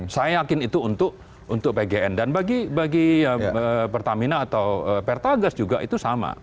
saya yakin itu untuk pgn dan bagi pertamina atau pertagas juga itu sama